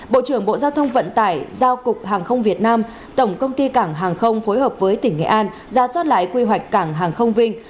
bộ trưởng bộ giao thông vận tải giao cục hàng không việt nam tổng công ty cảng hàng không phối hợp với tỉnh nghệ an ra soát lại quy hoạch cảng hàng không vinh